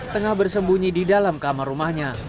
tengah bersembunyi di dalam kamar rumahnya